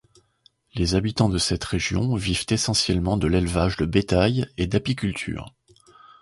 Les habitants de cette région vivent essentiellement de l'élevage de bétail et d'apiculture.